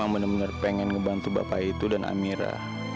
aku benar benar ingin membantu bapak itu dan amira